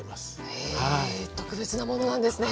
へえ特別なものなんですね。